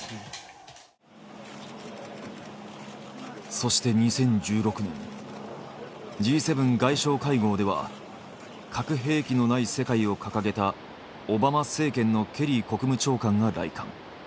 そして２０１６年Ｇ７外相会合では「核兵器のない世界」を掲げたオバマ政権のケリー国務長官が来館。